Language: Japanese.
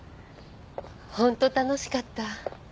ホント楽しかった。